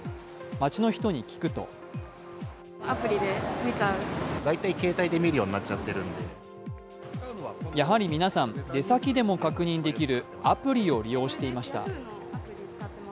街の人に聞くとやはり皆さん、出先でも確認できるアプリを利用していました。